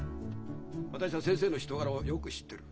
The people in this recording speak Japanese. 私は先生の人柄はよく知ってる。